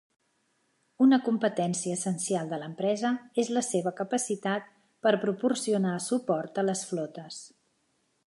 Una competència essencial de l'empresa és la seva capacitat per proporcionar suport a les flotes.